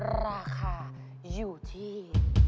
ราคาอยู่ที่